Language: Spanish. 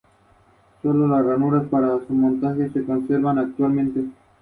La apertura consiste en cuatro notas que se tocan alternativamente.